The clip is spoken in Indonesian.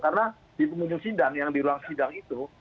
karena di pengunjung sidang yang di ruang sidang itu